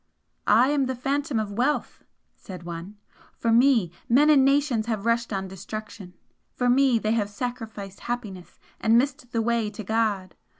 "I am the Phantom of Wealth" said one "For me men and nations have rushed on destruction, for me they have sacrificed happiness and missed the way to God!